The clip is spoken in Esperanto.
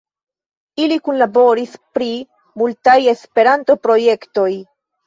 Ili kunlaboris pri multaj esperanto-projektoj.